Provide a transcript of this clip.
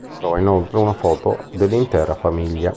Trova inoltre, una foto dell'intera famiglia.